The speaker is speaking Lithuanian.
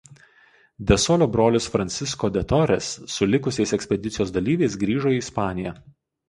De Solio brolis Francisco de Torres su likusiais ekspedicijos dalyviais grįžo į Ispaniją.